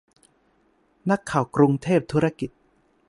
นักข่าวกรุงเทพธุรกิจ